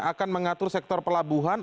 akan mengatur sektor pelabuhan